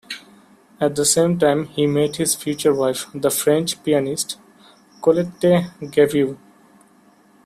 At the same time, he met his future wife, the French pianist Colette Gaveau.